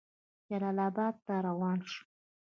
جلال آباد ته روان شو.